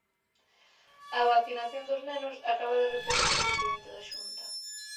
Á vacinación dos nenos acaba de referirse o presidente da Xunta.